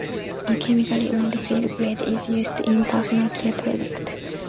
A chemically-modified grade is used in personal care products.